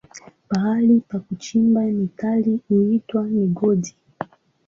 Mahali pa kuchimba metali huitwa migodi.